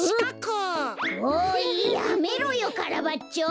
おいやめろよカラバッチョ！